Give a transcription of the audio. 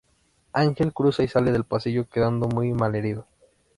Ángel cruza y sale del pasillo, quedando muy malherido.